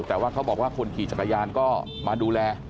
แต่ว่าเขาบอกว่าคนขี่จักรยานก็มาดูแล